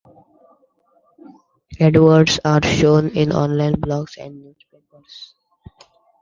Adverts are shown in online blogs and newspapers.